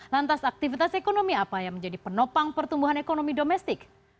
lantas aktivitas ekonomi apa yang menjadi penopang pertumbuhan ekonomi domestik